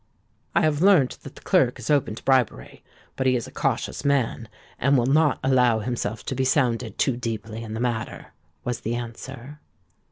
"I have learnt that the clerk is open to bribery: but he is a cautious man, and will not allow himself to be sounded too deeply in the matter," was the answer.